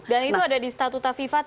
dan itu ada di statuta fifa tidak